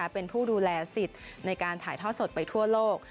เป็นผู้ดูแลสิทธิ์ในการถ่ายทอดสดไปทั่วโลก